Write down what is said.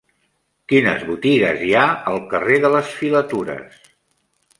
Quines botigues hi ha al carrer de les Filatures?